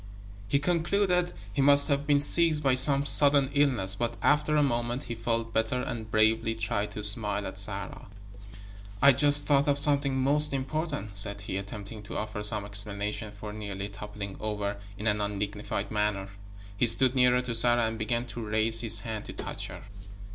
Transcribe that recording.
He concluded he must have been seized by some sudden illness, but after a moment he felt better and bravely tried to smile at Sarah. "I I just thought of something most important," said he, attempting to offer some explanation for nearly toppling over in an undignified manner. He stood nearer to Sarah and began to raise his hand to touch her.